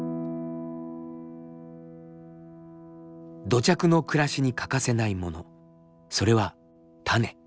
土着の暮らしに欠かせないものそれは種。